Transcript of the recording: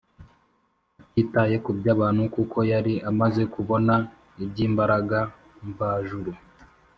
, atitaye kuby’abantu kuko yari amaze kubona iby’imbaraga mvajuru